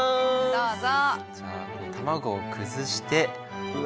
どうぞ！